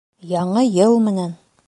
Яңы йыл менән!